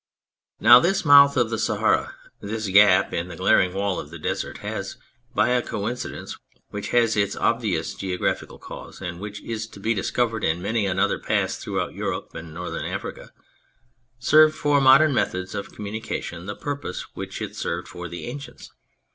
Now this Mouth of the Sahara, this gap in the glaring wall of the Desert, has, by a coincidence which has its obvious geographical cause, and which is to be discovered in many another pass throughout Europe and Northern Africa, served for modern methods of communication the purpose which it served for the ancients.